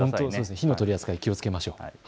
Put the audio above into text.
火の扱いに気をつけましょう。